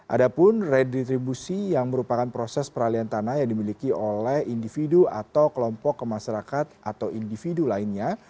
ada pun reditribusi yang merupakan proses peralian tanah yang dimiliki oleh individu atau kelompok masyarakat atau individu lainnya